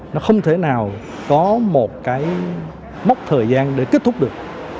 nó không thể nào có một cái mốc thời gian để kết thúc được